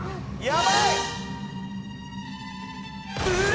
やばい！